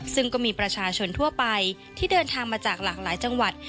ซึ่งก็มีประชาชนทั่วไปที่เดินทางมาจากหลากหลายจังหวัด